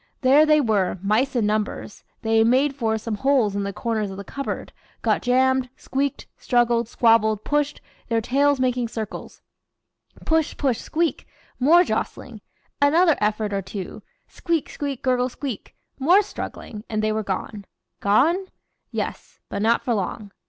There they were, mice in numbers; they "made for" some holes in the corners of the cupboard, got jammed, squeaked, struggled, squabbled, pushed, their tails making circles; push push squeak! more jostling, another effort or two squeak squeak gurgle squeak more struggling and they were gone. Gone? Yes! but not for long.